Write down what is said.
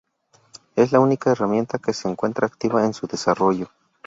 Es la única herramienta que se encuentra activa en su desarrollo.